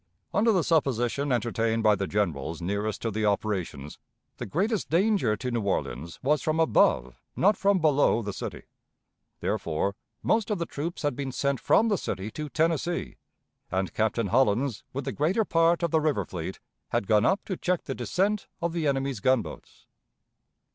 Under the supposition entertained by the generals nearest to the operations, the greatest danger to New Orleans was from above, not from below, the city; therefore, most of the troops had been sent from the city to Tennessee, and Captain Hollins, with the greater part of the river fleet, had gone up to check the descent of the enemy's gunboats.